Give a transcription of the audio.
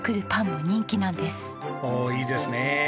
おおいいですね。